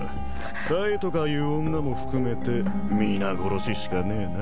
妙とかいう女も含めて皆殺ししかねえな。